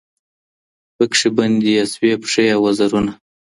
پکښي بندي یې سوې پښې او وزرونه